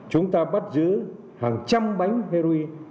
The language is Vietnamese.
chúng ta bắt giữ hàng trăm bánh heroin